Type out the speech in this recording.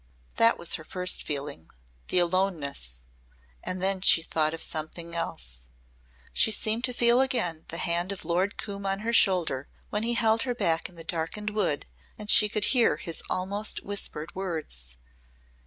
That was her first feeling the aloneness and then she thought of something else. She seemed to feel again the hand of Lord Coombe on her shoulder when he held her back in the darkened wood and she could hear his almost whispered words.